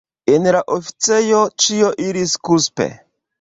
En la oficejo, ĉio iris kuspe.